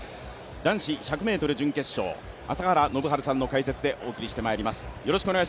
男子１００ｍ準決勝、朝原宣治さんの解説でお送りしてまいります。